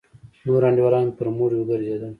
نور انډيوالان مې پر مړيو گرځېدل.